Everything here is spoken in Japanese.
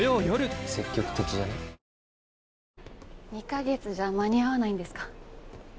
２カ月じゃ間に合わないんですか？